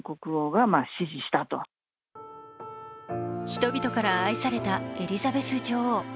人々から愛されたエリザベス女王。